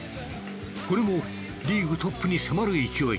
これもリーグトップに迫る勢い。